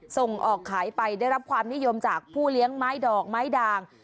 ส่งออกขายไปได้รับความนิยมจากผู้เลี้ยงไม้ดอกไม้ด่าง